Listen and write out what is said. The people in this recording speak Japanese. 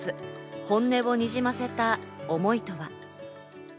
本音をにじませた思いとは？